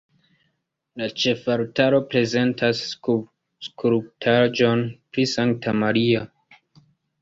La ĉefaltaro prezentas skulptaĵon pri Sankta Maria.